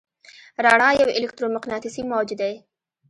رڼا یو الکترومقناطیسي موج دی.